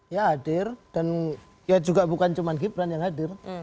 ya hadir dan ya juga bukan cuma gibran yang hadir